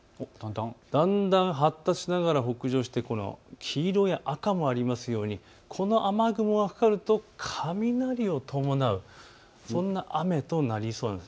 だんだん発達しながら北上して黄色い、赤もありますようにこの雨雲がかかると雷を伴う、そんな雨となりそうなんです。